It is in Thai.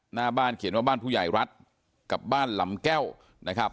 หน้าบ้านเขียนว่าบ้านผู้ใหญ่รัฐกับบ้านลำแก้วนะครับ